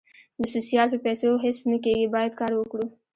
د سوسیال په پېسو هیڅ نه کېږي باید کار وکړو